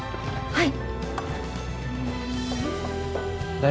はい。